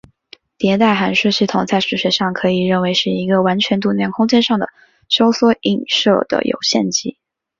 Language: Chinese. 迭代函数系统在数学上可以认为是一个完全度量空间上的收缩映射的有限集。